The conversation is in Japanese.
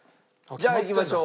じゃあいきましょう。